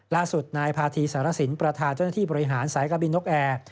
ล่าสุดนายพาธีสารสินประธานเจ้าหน้าที่บริหารสายการบินนกแอร์